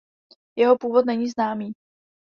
Jeho původ není známý.